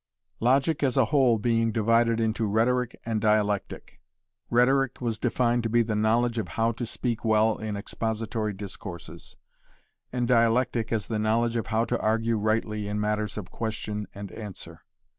Logic as a whole being divided into rhetoric and dialectic: rhetoric was defined to be the knowledge of how to speak well in expository discourses and dialectic as the knowledge of how to argue rightly in matters of question and answer.